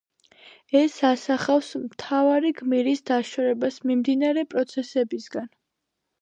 ეს ასახავს მთავარი გმირის დაშორებას მიმდინარე პროცესებისგან.